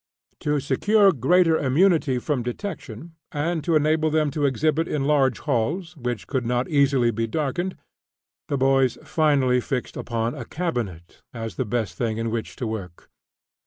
To secure greater immunity from detection, and to enable them to exhibit in large halls which could not easily be darkened, the boys finally fixed upon a "cabinet" as the best thing in which to work.